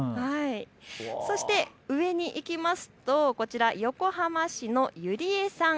そして上にいきますとこちら、横浜市のゆりえさん。